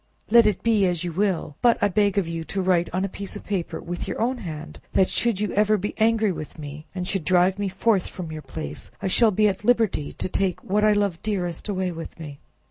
let it be as you will; but I beg of you to write on a piece of paper with your own hand, that, should you ever be angry with me, and should drive me forth from your palace, I shall be at liberty to take whatever I love dearest away with me."